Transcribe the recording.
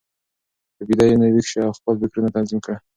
که بیده یې، نو ویښ شه او خپل فکرونه تنظیم کړه.